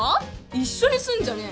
一緒にすんじゃねぇ！